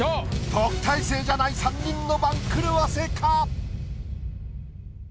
特待生じゃない３人の番狂わせか？